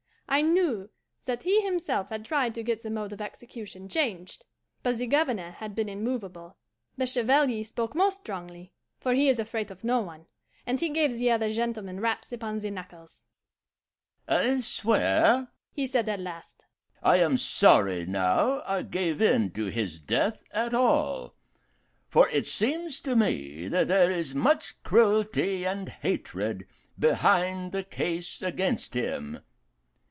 I knew that he himself had tried to get the mode of execution changed, but the Governor had been immovable. The Chevalier spoke most strongly, for he is afraid of no one, and he gave the other gentlemen raps upon the knuckles. "'I swear,' he said at last, 'I am sorry now I gave in to his death at all, for it seems to me that there is much cruelty and hatred behind the case against him.